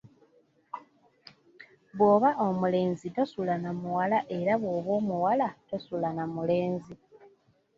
Bw'oba omulenzi tosula namuwala era bw'oba omuwala tosula namulenzi.